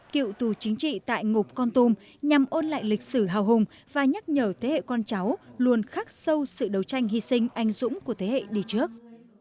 cựu tù chính trị tại ngục con tum nhằm ôn lại lịch sử hào hùng và nhắc nhở thế hệ con cháu luôn khắc sâu sự đấu tranh hy sinh anh dũng của thế hệ đi trước